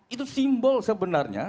itu simbol sebenarnya